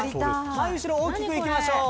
前後ろ大きくいきましょう」